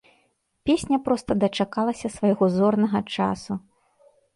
Песня проста дачакалася свайго зорнага часу.